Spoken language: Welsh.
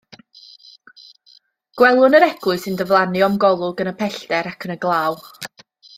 Gwelwn yr eglwys yn diflannu o'm golwg yn y pellter ac yn y glaw.